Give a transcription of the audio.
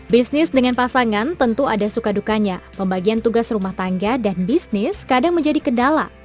bisnis dengan pasangan tentu ada suka dukanya pembagian tugas rumah tangga dan bisnis kadang menjadi kendala